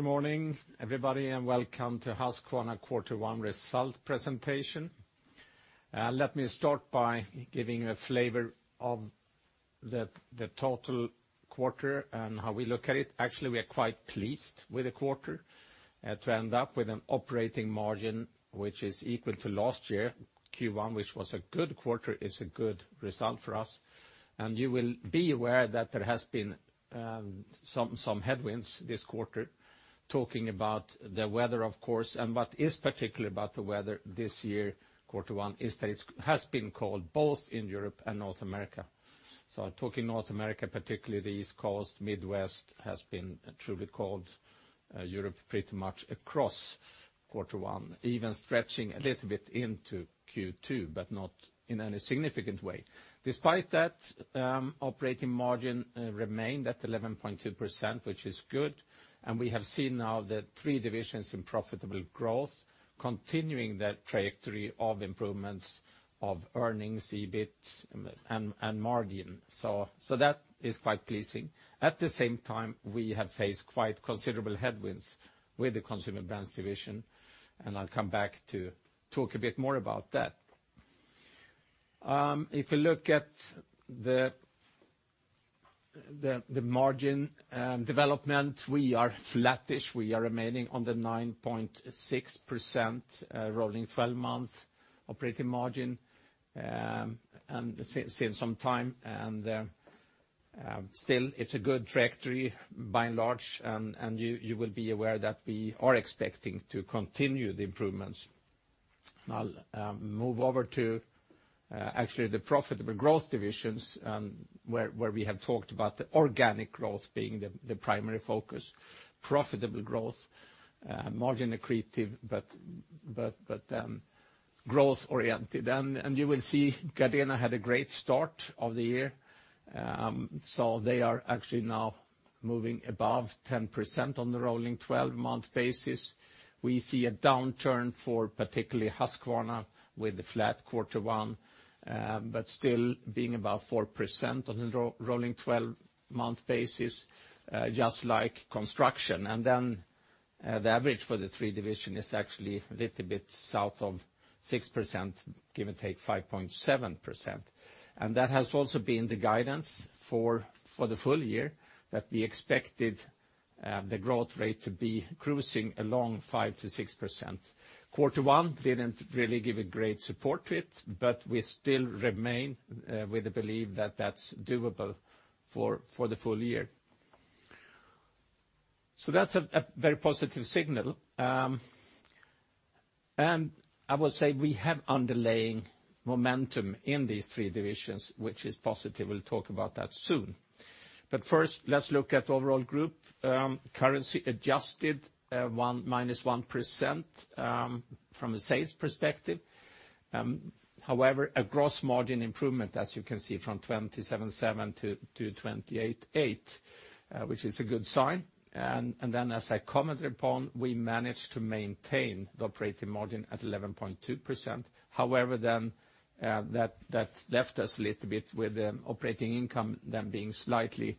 Good morning, everybody, welcome to Husqvarna quarter 1 result presentation. Let me start by giving a flavor of the total quarter and how we look at it. Actually, we are quite pleased with the quarter. To end up with an operating margin which is equal to last year, Q1, which was a good quarter, is a good result for us. You will be aware that there has been some headwinds this quarter. Talking about the weather, of course, what is particular about the weather this year, quarter 1, is that it has been cold both in Europe and North America. Talking North America, particularly the East Coast, Midwest, has been truly cold. Europe pretty much across quarter 1, even stretching a little bit into Q2, but not in any significant way. Despite that, operating margin remained at 11.2%, which is good, we have seen now the three divisions in profitable growth continuing that trajectory of improvements of earnings, EBIT, and margin. That is quite pleasing. At the same time, we have faced quite considerable headwinds with the Consumer Brands division, I'll come back to talk a bit more about that. If you look at the margin development, we are flattish. We are remaining under 9.6% rolling 12-month operating margin, since some time. Still, it's a good trajectory by and large, you will be aware that we are expecting to continue the improvements. I'll move over to actually the profitable growth divisions, where we have talked about the organic growth being the primary focus. Profitable growth, margin accretive, but growth-oriented. You will see Gardena had a great start of the year. They are actually now moving above 10% on the rolling 12-month basis. We see a downturn for particularly Husqvarna with a flat quarter 1, but still being above 4% on a rolling 12-month basis, just like construction. The average for the three division is actually a little bit south of 6%, give or take 5.7%. That has also been the guidance for the full year that we expected the growth rate to be cruising along 5%-6%. Quarter 1 didn't really give a great support to it, but we still remain with the belief that that's doable for the full year. That's a very positive signal. I would say we have underlying momentum in these three divisions, which is positive. We'll talk about that soon. First, let's look at overall group currency adjusted -1% from a sales perspective. However, a gross margin improvement, as you can see from 27.7%-28.8%, which is a good sign. As I commented upon, we managed to maintain the operating margin at 11.2%. However, then that left us a little bit with the operating income then being slightly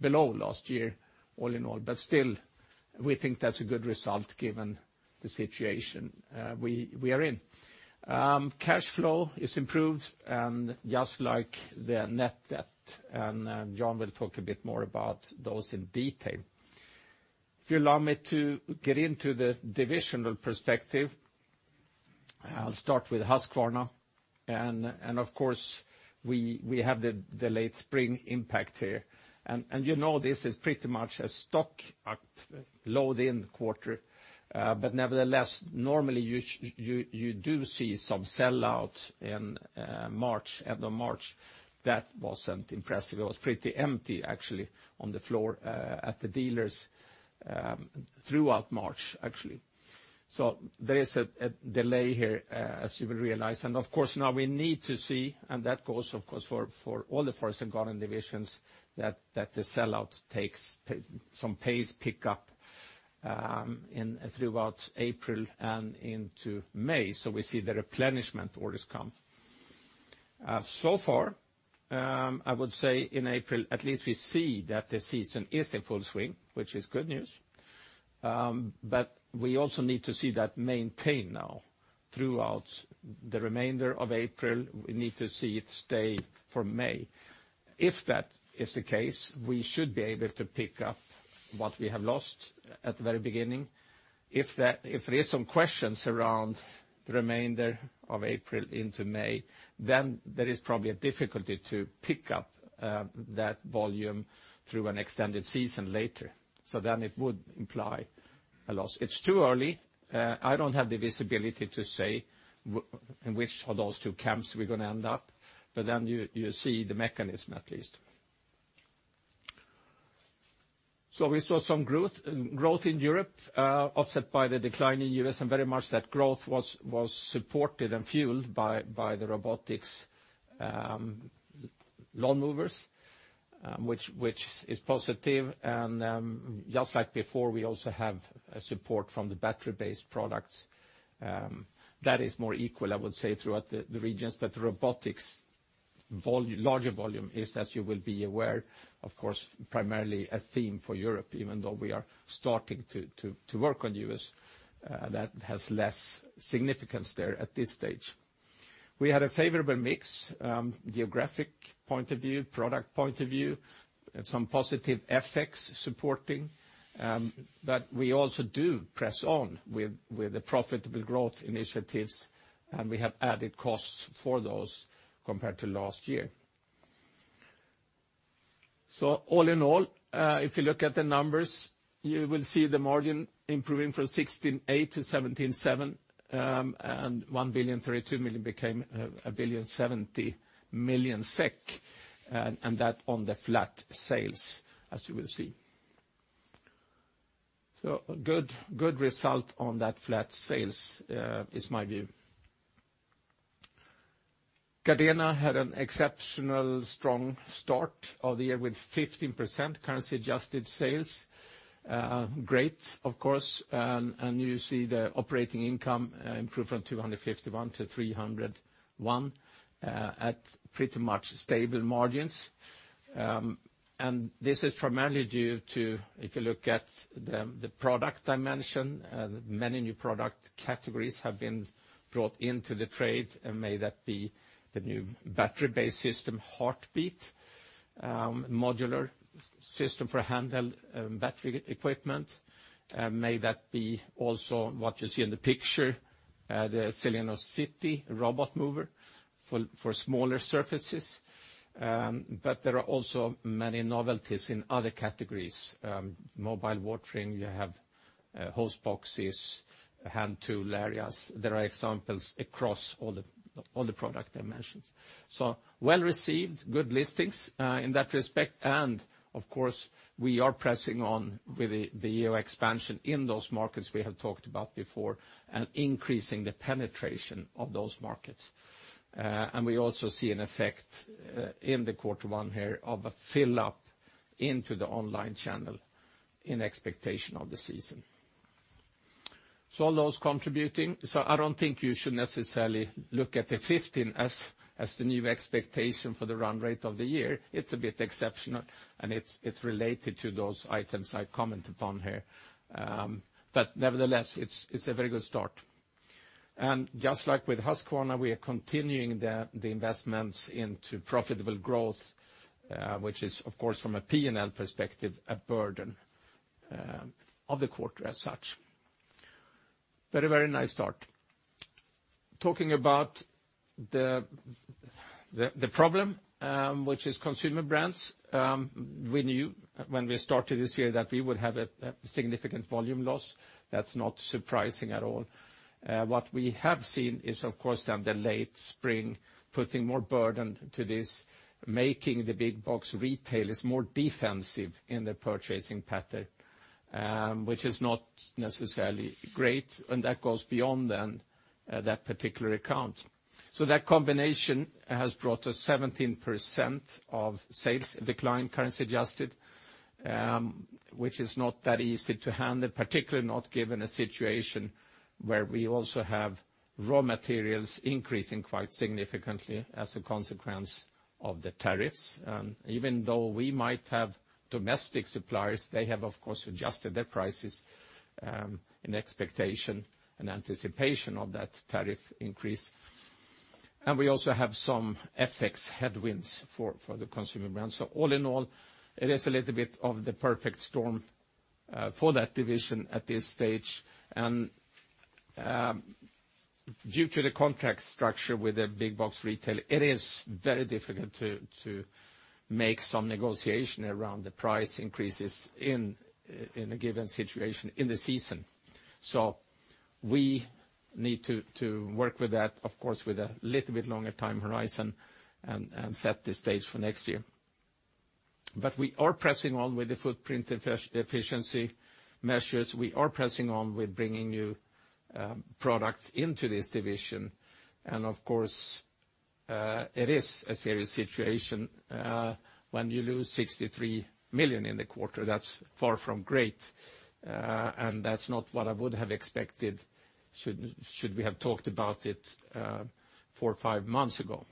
below last year all in all. Still, we think that's a good result given the situation we are in. Cash flow is improved, just like the net debt. Jan will talk a bit more about those in detail. If you allow me to get into the divisional perspective, I'll start with Husqvarna. Of course, we have the late spring impact here. You know this is pretty much a stock-up load in the quarter. Nevertheless, normally you do see some sell-out in March, end of March. That wasn't impressive. It was pretty empty, actually, on the floor at the dealers throughout March, actually. There is a delay here as you will realize. Of course, now we need to see, and that goes of course for all the forest and garden divisions, that the sellout takes some pace pick up throughout April and into May. We see the replenishment orders come. I would say in April, at least we see that the season is in full swing, which is good news. We also need to see that maintained now throughout the remainder of April. We need to see it stay for May. If that is the case, we should be able to pick up what we have lost at the very beginning. If there is some questions around the remainder of April into May, then there is probably a difficulty to pick up that volume through an extended season later. It would imply a loss. It's too early. I don't have the visibility to say in which of those two camps we're going to end up, you see the mechanism at least. We saw some growth in Europe, offset by the decline in U.S., and very much that growth was supported and fueled by the robotics lawnmowers, which is positive. Just like before, we also have support from the battery-based products. That is more equal, I would say, throughout the regions, but the robotics larger volume is, as you will be aware, of course, primarily a theme for Europe, even though we are starting to work on U.S., that has less significance there at this stage. We had a favorable mix, geographic point of view, product point of view, and some positive effects supporting. We also do press on with the profitable growth initiatives, and we have added costs for those compared to last year. All in all, if you look at the numbers, you will see the margin improving from 16.8%-17.7%, 1,032 million became 1,070 million SEK, and that on the flat sales, as you will see. A good result on that flat sales is my view. Gardena had an exceptional strong start of the year with 15% currency adjusted sales. Great, of course, and you see the operating income improve from 251 to 301, at pretty much stable margins. This is primarily due to, if you look at the product dimension, many new product categories have been brought into the trade, may that be the new battery-based system, Heartbeat, modular system for handheld battery equipment. May that be also what you see in the picture, the SILENO city robot mower for smaller surfaces. There are also many novelties in other categories. Mobile watering, you have hose boxes, hand tool areas. There are examples across all the product dimensions. Well-received, good listings, in that respect. Of course, we are pressing on with the expansion in those markets we have talked about before and increasing the penetration of those markets. We also see an effect in the quarter one here of a fill-up into the online channel in expectation of the season. All those contributing. I don't think you should necessarily look at the 15 as the new expectation for the run rate of the year. It's a bit exceptional, and it's related to those items I commented on here. Nevertheless, it's a very good start. Just like with Husqvarna, we are continuing the investments into profitable growth, which is, of course, from a P&L perspective, a burden of the quarter as such. Very nice start. Talking about the problem, which is Consumer Brands. We knew when we started this year that we would have a significant volume loss. That's not surprising at all. What we have seen is, of course, then the late spring putting more burden to this, making the big box retailers more defensive in their purchasing pattern, which is not necessarily great, and that goes beyond then that particular account. That combination has brought us 17% of sales decline currency adjusted, which is not that easy to handle, particularly not given a situation where we also have raw materials increasing quite significantly as a consequence of the tariffs. Even though we might have domestic suppliers, they have, of course, adjusted their prices in expectation and anticipation of that tariff increase. We also have some effects headwinds for the Consumer Brands. All in all, it is a little bit of the perfect storm for that division at this stage. Due to the contract structure with a big box retailer, it is very difficult to make some negotiation around the price increases in a given situation in the season. We need to work with that, of course, with a little bit longer time horizon and set the stage for next year. We are pressing on with the footprint efficiency measures. We are pressing on with bringing new products into this division. Of course, it is a serious situation when you lose 63 million in the quarter. That's far from great, and that's not what I would have expected should we have talked about it four or five months ago.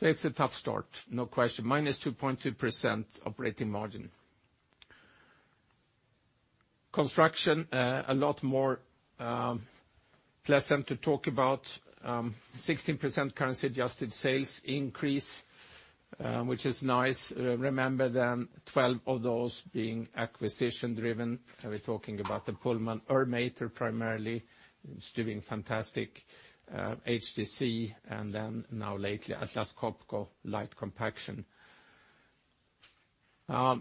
It's a tough start, no question. -2.2% operating margin. Construction, a lot more pleasant to talk about. 16% currency-adjusted sales increase, which is nice. Remember then 12 of those being acquisition-driven. We're talking about the Pullman Ermator primarily. It's doing fantastic. HTC, and then now lately, Atlas Copco light compaction. Where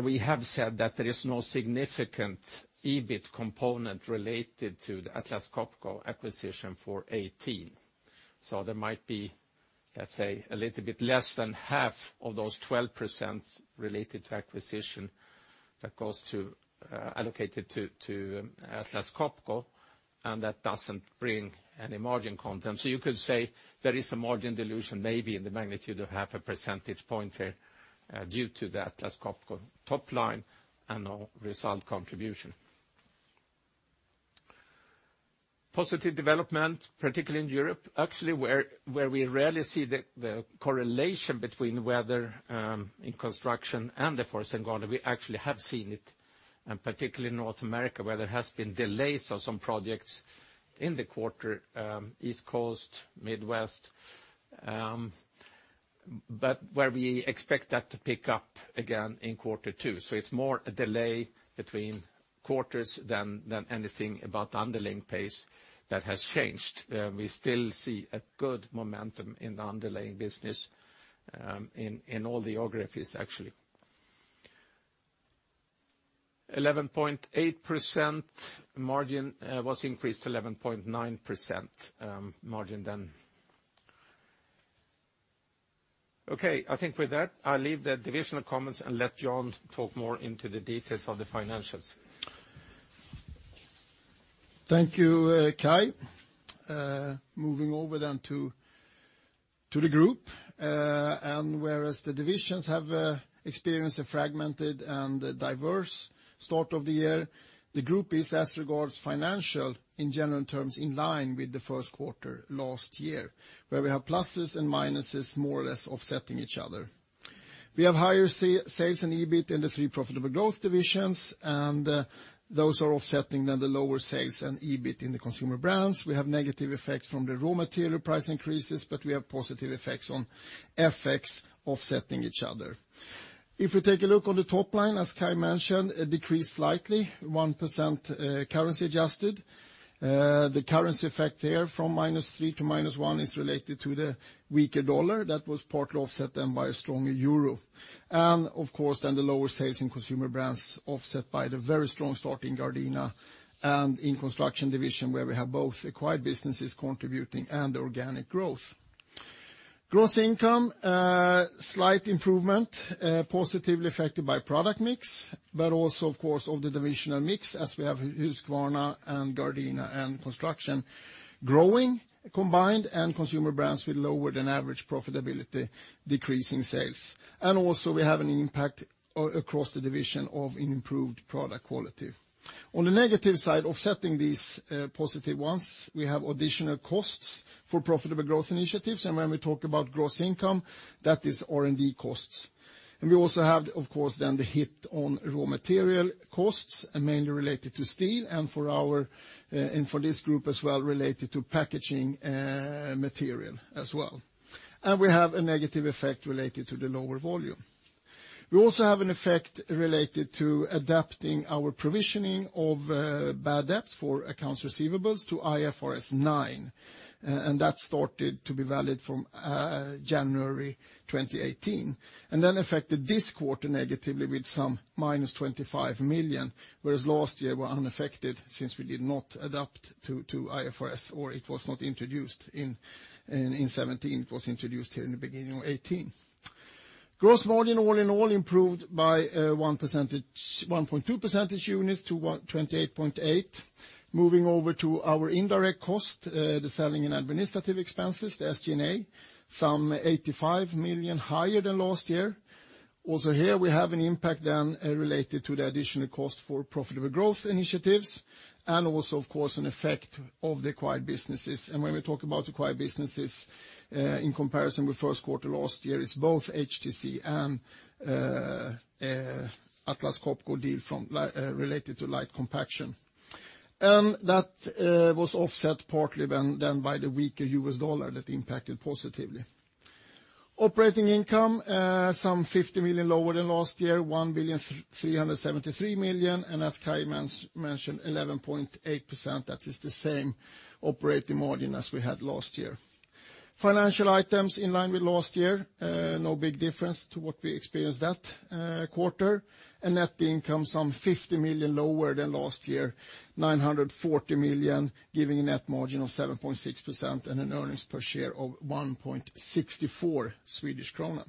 we have said that there is no significant EBIT component related to the Atlas Copco acquisition for 2018. There might be, let's say, a little bit less than half of those 12% related to acquisition that allocated to Atlas Copco, and that doesn't bring any margin content. You could say there is a margin dilution maybe in the magnitude of half a percentage point there due to the Atlas Copco top line and no result contribution. Positive development, particularly in Europe, actually, where we rarely see the correlation between weather in Construction and the forest and garden, we actually have seen it. Particularly in North America, where there has been delays of some projects in the quarter, East Coast, Midwest, but where we expect that to pick up again in quarter two. It's more a delay between quarters than anything about the underlying pace that has changed. We still see a good momentum in the underlying business in all the geographies, actually. 11.8% margin was increased to 11.9% margin then. I think with that, I'll leave the divisional comments and let Jan talk more into the details of the financials. Thank you, Kai. Moving over then to the group, whereas the divisions have experienced a fragmented and diverse start of the year, the group is, as regards financial, in general terms, in line with the first quarter last year, where we have pluses and minuses more or less offsetting each other. We have higher sales and EBIT in the three profitable growth divisions, and those are offsetting then the lower sales and EBIT in the Consumer Brands. We have negative effects from the raw material price increases, but we have positive effects on FX offsetting each other. If we take a look on the top line, as Kai mentioned, it decreased slightly, 1% currency adjusted. The currency effect there from minus three to minus one is related to the weaker dollar that was partly offset then by a stronger euro. Of course, then the lower sales in Consumer Brands offset by the very strong start in Gardena and in Construction Division, where we have both acquired businesses contributing and organic growth. Gross income, slight improvement, positively affected by product mix, but also, of course, of the divisional mix as we have Husqvarna and Gardena and Construction growing combined and Consumer Brands with lower than average profitability, decreasing sales. Also we have an impact across the division of improved product quality. On the negative side, offsetting these positive ones, we have additional costs for profitable growth initiatives. When we talk about gross income, that is R&D costs. We also have, of course then, the hit on raw material costs mainly related to steel and for this group as well related to packaging material as well. We have a negative effect related to the lower volume. We also have an effect related to adapting our provisioning of bad debts for accounts receivables to IFRS 9. That started to be valid from January 2018 and then affected this quarter negatively with some minus 25 million, whereas last year were unaffected since we did not adapt to IFRS or it was not introduced in 2017. It was introduced here in the beginning of 2018. Gross margin all in all improved by 1.1 percentage units to 28.8%. Moving over to our indirect cost, the selling and administrative expenses, the SG&A, some 85 million higher than last year. Also here we have an impact then related to the additional cost for profitable growth initiatives and also, of course, an effect of the acquired businesses. When we talk about acquired businesses, in comparison with first quarter last year is both HTC and Atlas Copco deal related to Light Compaction. That was offset partly then by the weaker U.S. dollar that impacted positively. Operating income, 50 million lower than last year, 1.373 billion, and as Kai mentioned, 11.8%, that is the same operating margin as we had last year. Financial items in line with last year, no big difference to what we experienced that quarter. Net income 50 million lower than last year, 940 million, giving a net margin of 7.6% and an earnings per share of 1.64 Swedish kronor.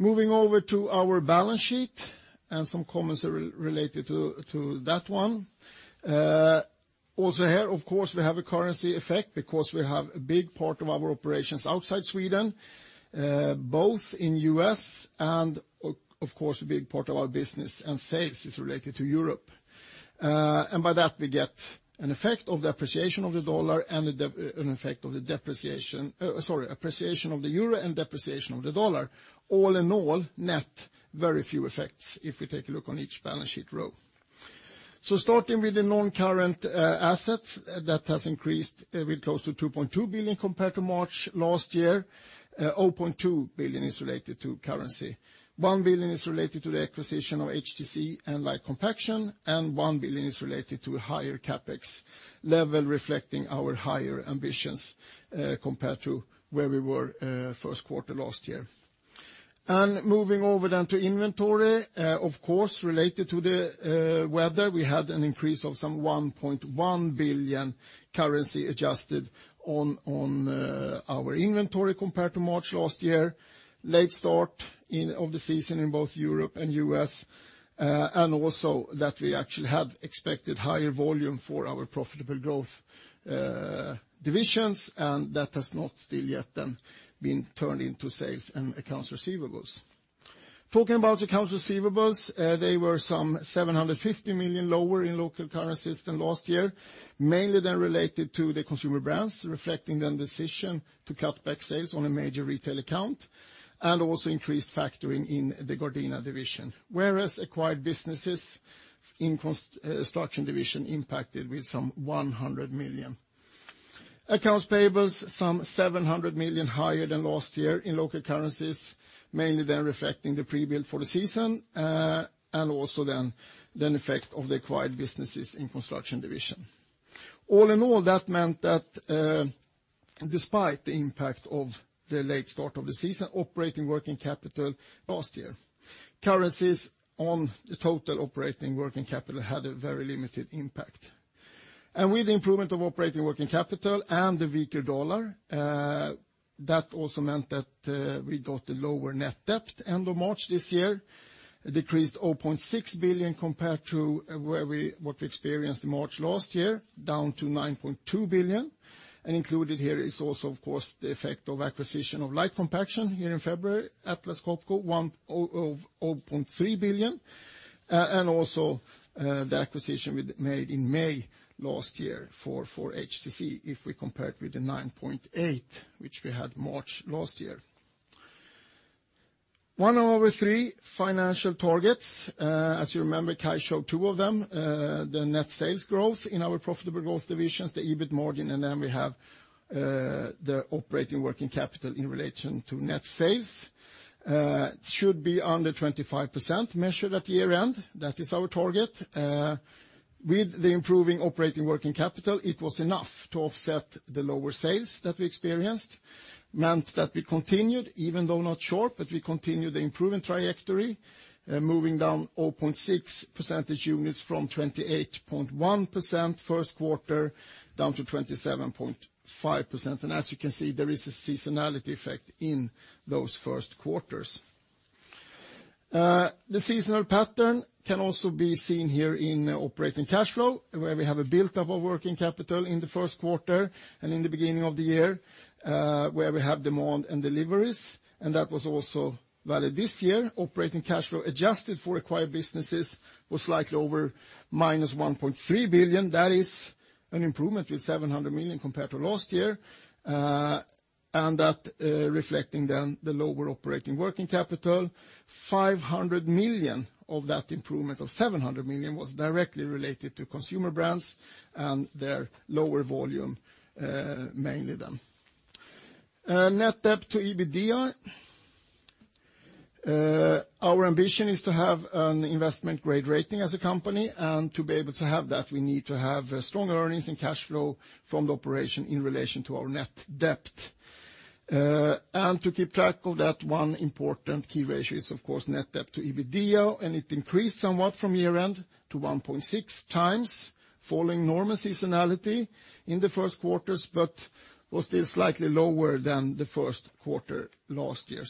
Moving over to our balance sheet and some comments related to that one. Here, of course, we have a currency effect because we have a big part of our operations outside Sweden, both in the U.S. and, of course, a big part of our business and sales is related to Europe. By that, we get an effect of the appreciation of the dollar and an effect of the depreciation, sorry, appreciation of the euro and depreciation of the dollar. All in all, net, very few effects if we take a look on each balance sheet row. Starting with the non-current assets, that has increased with close to 2.2 billion compared to March last year. 0.2 billion is related to currency. 1 billion is related to the acquisition of HTC and Light Compaction, and 1 billion is related to higher CapEx level reflecting our higher ambitions compared to where we were first quarter last year. Moving over then to inventory, of course, related to the weather, we had an increase of some 1.1 billion currency adjusted on our inventory compared to March last year. Late start of the season in both Europe and the U.S., also that we actually had expected higher volume for our profitable growth divisions, and that has not still yet then been turned into sales and accounts receivables. Talking about accounts receivables, they were some 750 million lower in local currencies than last year, mainly related to the Consumer Brands, reflecting the decision to cut back sales on a major retail account, and also increased factoring in the Gardena division. Whereas acquired businesses in construction division impacted with some 100 million. Accounts payables, some 700 million higher than last year in local currencies, mainly reflecting the pre-build for the season, and also the effect of the acquired businesses in construction division. All in all, that meant that despite the impact of the late start of the season, operating working capital last year, currencies on the total operating working capital had a very limited impact. With the improvement of operating working capital and the weaker U.S. dollar, that also meant that we got a lower net debt end of March this year, decreased 0.6 billion compared to what we experienced in March last year, down to 9.2 billion, and included here is also, of course, the effect of acquisition of Light Compaction here in February, Atlas Copco, 0.3 billion, and also the acquisition we made in May last year for HTC, if we compare it with the 9.8 billion, which we had March last year. One of our three financial targets, as you remember, Kai showed two of them, the net sales growth in our profitable growth divisions, the EBIT margin, then we have the operating working capital in relation to net sales. Should be under 25% measured at year-end. That is our target. With the improving operating working capital, it was enough to offset the lower sales that we experienced. Meant that we continued, even though not short, but we continued the improvement trajectory, moving down 0.6 percentage units from 28.1% first quarter, down to 27.5%. As you can see, there is a seasonality effect in those first quarters. The seasonal pattern can also be seen here in operating cash flow, where we have a buildup of working capital in the first quarter and in the beginning of the year, where we have demand and deliveries, that was also valid this year. Operating cash flow adjusted for acquired businesses was slightly over -1.3 billion. That is an improvement with 700 million compared to last year, that reflecting the lower operating working capital. 500 million of that improvement of 700 million was directly related to Consumer Brands and their lower volume mainly. Net debt to EBITDA. Our ambition is to have an investment-grade rating as a company, to be able to have that, we need to have strong earnings and cash flow from the operation in relation to our net debt. To keep track of that, one important key ratio is, of course, net debt to EBITDA, it increased somewhat from year-end to 1.6 times, following normal seasonality in the first quarters, but was still slightly lower than the first quarter last year.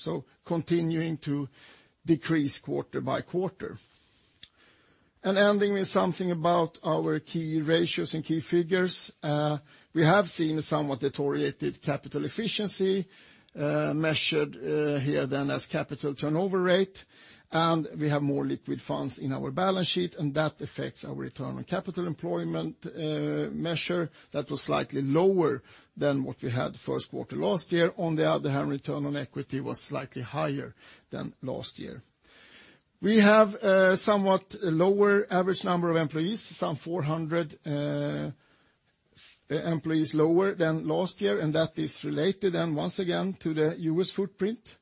Continuing to decrease quarter by quarter. Ending with something about our key ratios and key figures. We have seen somewhat deteriorated capital efficiency, measured here as capital turnover rate, we have more liquid funds in our balance sheet, that affects our return on capital employment measure. That was slightly lower than what we had first quarter last year. On the other hand, return on equity was slightly higher than last year. We have a somewhat lower average number of employees, some 400 employees lower than last year, that is related, once again, to the U.S. footprint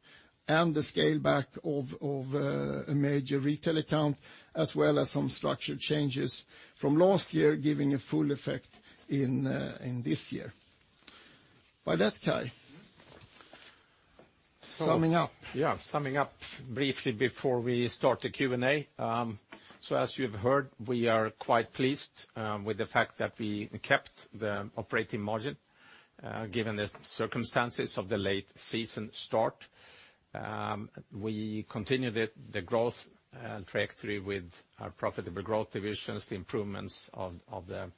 and the scale back of a major retail account, as well as some structure changes from last year, giving a full effect in this year. With that, Kai, summing up. Yeah, summing up briefly before we start the Q&A. As you've heard, we are quite pleased with the fact that we kept the operating margin, given the circumstances of the late season start. We continued the growth trajectory with our profitable growth divisions, the improvements of the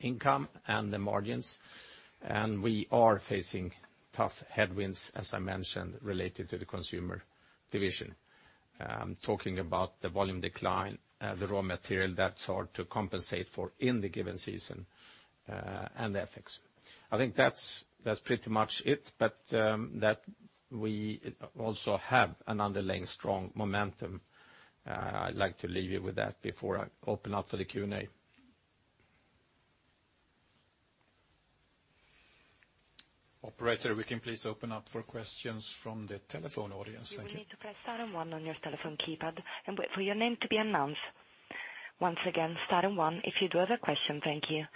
income and the margins. We are facing tough headwinds, as I mentioned, related to the consumer division. Talking about the volume decline, the raw material that's hard to compensate for in the given season, and the FX. I think that's pretty much it, but that we also have an underlying strong momentum. I'd like to leave you with that before I open up for the Q&A. Operator, we can please open up for questions from the telephone audience. Thank you. You will need to press star and one on your telephone keypad and wait for your name to be announced. Once again, star and one if you do have a question. Thank you.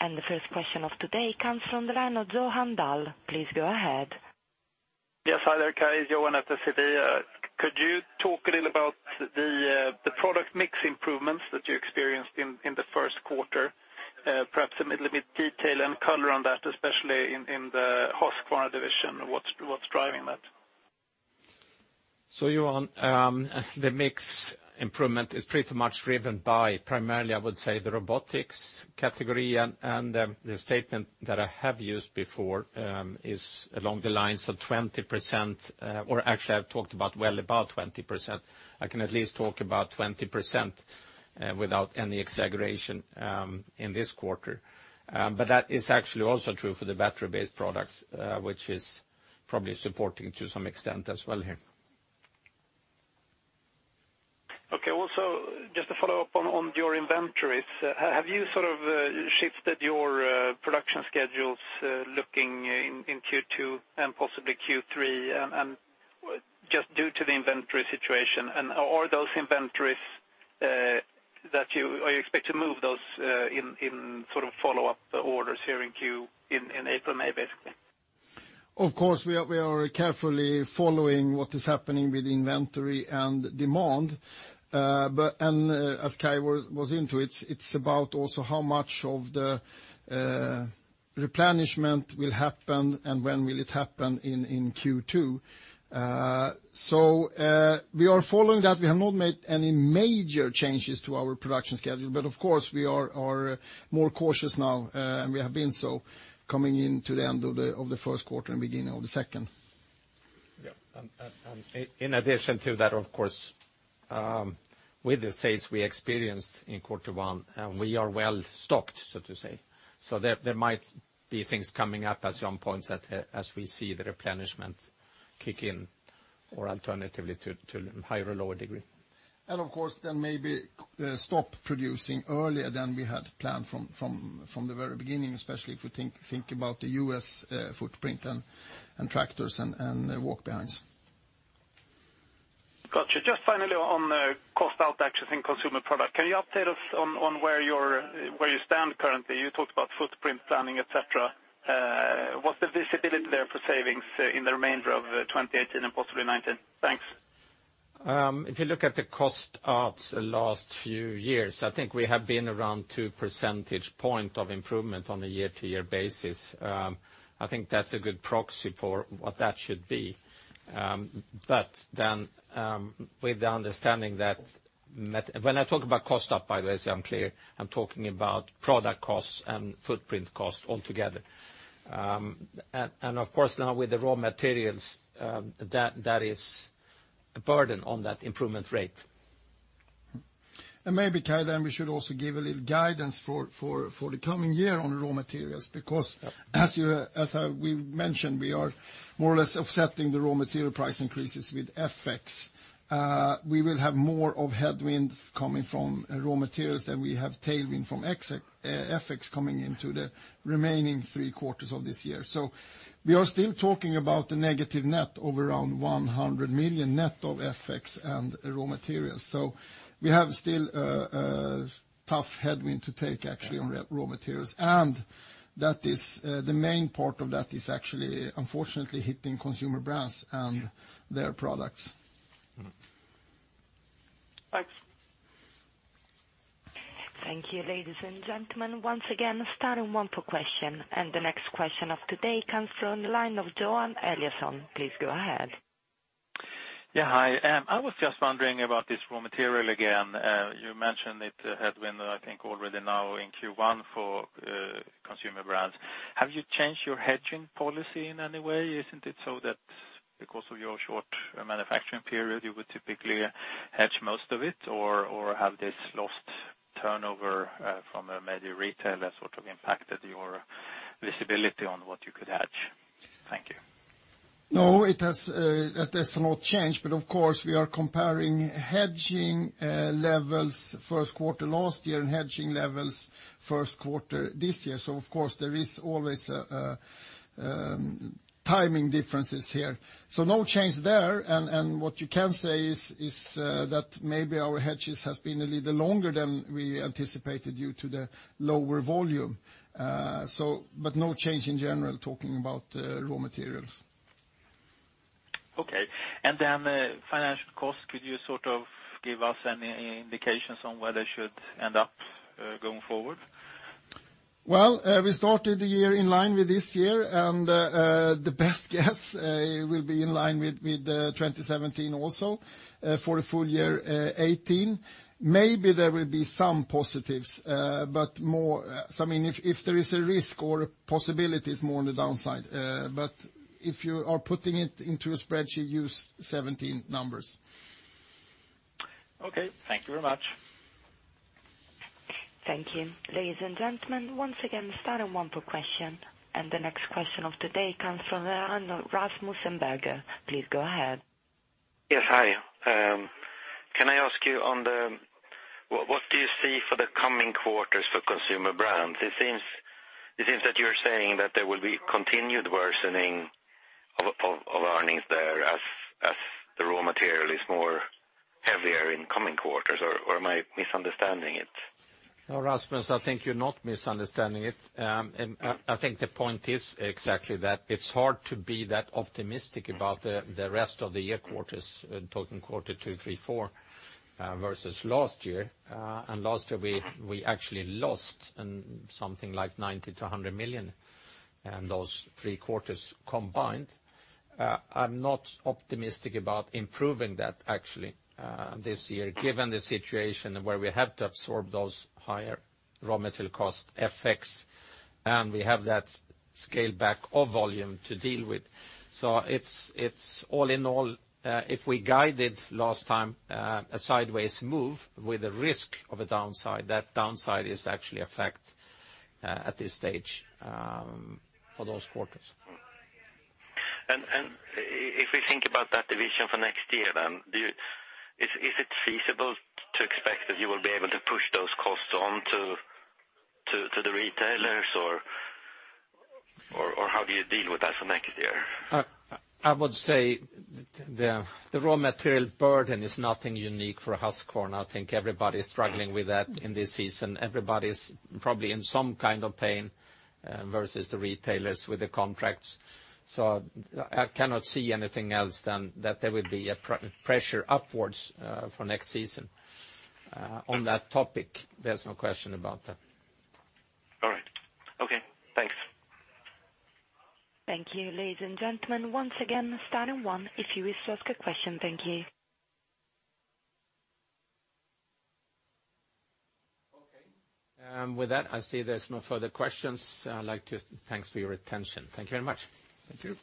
The first question of today comes from the line of Johan Dahlén. Please go ahead. Yes. Hi there, Kai. Johan at SEB. Could you talk a little about the product mix improvements that you experienced in the first quarter? Perhaps a little bit detail and color on that, especially in the Husqvarna division, what's driving that? Johan, the mix improvement is pretty much driven by primarily, I would say, the robotics category and the statement that I have used before is along the lines of 20%, or actually I've talked about well above 20%. I can at least talk about 20% without any exaggeration in this quarter. That is actually also true for the battery-based products, which is probably supporting to some extent as well here. Okay. Also, just to follow up on your inventories. Have you shifted your production schedules looking in Q2 and possibly Q3, just due to the inventory situation? Are you expect to move those in follow-up orders here in April and May, basically? Of course, we are carefully following what is happening with inventory and demand. As Kai was into it's about also how much of the replenishment will happen and when will it happen in Q2. We are following that. We have not made any major changes to our production schedule, but of course, we are more cautious now, and we have been so coming into the end of the first quarter and beginning of the second. Yeah. In addition to that, of course, with the sales we experienced in quarter one, we are well-stocked, so to say. There might be things coming up as Johan points out, as we see the replenishment kick in or alternatively to higher or lower degree. Of course maybe stop producing earlier than we had planned from the very beginning, especially if we think about the U.S. footprint and tractors and walk behinds. Got you. Just finally on the cost out actions in Consumer Brands, can you update us on where you stand currently? You talked about footprint planning, et cetera. What's the visibility there for savings in the remainder of 2018 and possibly 2019? Thanks. If you look at the cost outs the last few years, I think we have been around two percentage point of improvement on a year-to-year basis. I think that's a good proxy for what that should be. With the understanding that when I talk about cost out, by the way, so I'm clear, I'm talking about product costs and footprint cost altogether. Of course now with the raw materials, that is a burden on that improvement rate. Maybe, Kai, then we should also give a little guidance for the coming year on raw materials because. Yeah As we mentioned, we are more or less offsetting the raw material price increases with FX. We will have more of headwind coming from raw materials than we have tailwind from FX coming into the remaining three quarters of this year. We are still talking about the negative net of around 100 million net of FX and raw materials. We have still a tough headwind to take actually on raw materials, and the main part of that is actually unfortunately hitting Consumer Brands and their products. Thanks. Thank you, ladies and gentlemen. Once again, star and one for question. The next question of today comes from the line of Johan Eliason. Please go ahead. Yeah. Hi. I was just wondering about this raw material again. You mentioned it had been, I think, already now in Q1 for Consumer Brands. Have you changed your hedging policy in any way? Isn't it so that because of your short manufacturing period, you would typically hedge most of it? Have this lost turnover from maybe retailers sort of impacted your visibility on what you could hedge? Thank you. No, it has not changed, of course we are comparing hedging levels first quarter last year and hedging levels first quarter this year. Of course there is always timing differences here. No change there. What you can say is that maybe our hedges has been a little longer than we anticipated due to the lower volume. No change in general talking about raw materials. Okay. Then financial costs, could you give us any indications on where they should end up going forward? Well, we started the year in line with this year, and the best guess will be in line with 2017 also, for the full year 2018. Maybe there will be some positives, but if there is a risk or a possibility, it's more on the downside. If you are putting it into a spreadsheet, use 2017 numbers. Okay. Thank you very much. Thank you. Ladies and gentlemen, once again, star and one for question. The next question of today comes from Rasmus Engberg. Please go ahead. Yes, hi. Can I ask you what do you see for the coming quarters for Consumer Brands? It seems that you're saying that there will be continued worsening of earnings there as the raw material is more heavier in coming quarters, or am I misunderstanding it? No, Rasmus, I think you're not misunderstanding it. I think the point is exactly that it's hard to be that optimistic about the rest of the year quarters, talking quarter two, three, four, versus last year. Last year, we actually lost something like 90 million to 100 million in those three quarters combined. I'm not optimistic about improving that actually, this year, given the situation where we have to absorb those higher raw material cost FX. We have that scale back of volume to deal with. It's all in all, if we guided last time a sideways move with a risk of a downside, that downside is actually a fact at this stage for those quarters. If we think about that division for next year then, is it feasible to expect that you will be able to push those costs on to the retailers, or how do you deal with that for next year? I would say the raw material burden is nothing unique for Husqvarna. I think everybody is struggling with that in this season. Everybody's probably in some kind of pain, versus the retailers with the contracts. I cannot see anything else than that there will be a pressure upwards for next season on that topic. There's no question about that. All right. Okay, thanks. Thank you. Ladies and gentlemen, once again, star and one if you wish to ask a question. Thank you. Okay. With that, I see there's no further questions. I'd like to thanks for your attention. Thank you very much. Thank you